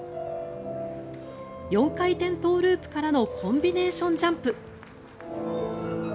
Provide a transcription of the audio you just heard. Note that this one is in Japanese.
４回転トウループからのコンビネーションジャンプ。